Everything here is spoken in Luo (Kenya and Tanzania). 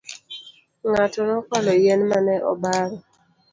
Ng'ato nokwalo yien mane obaro